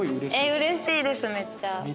うれしいですめっちゃ。